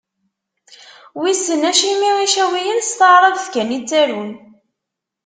Wissen acimi Icawiyen s taɛrabt kan i ttarun.